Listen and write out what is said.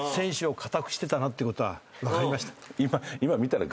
てことは分かりました？